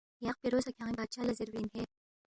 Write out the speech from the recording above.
یا خپیرو سہ کھیان٘ی بادشاہ لہ زیربی اِن ہے